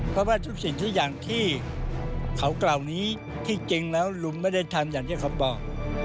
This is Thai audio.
เพราะว่าทุกสิ่งทุกอย่างที่เขากล่าวนี้ที่จริงแล้วลุงไม่ได้ทำอย่างที่เขาบอก